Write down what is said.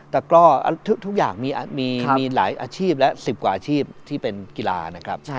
แต่ก็ทุกอย่างมีหลายอาชีพและ๑๐กว่าอาชีพที่เป็นกีฬานะครับ